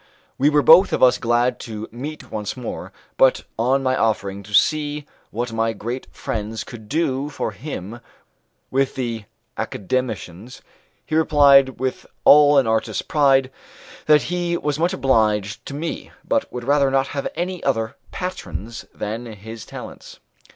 We were both of us glad to meet once more, but on my offering to see what my great friends could do for him with the Academicians, he replied with all an artist's pride that he was much obliged to me, but would rather not have any other patrons than his talents.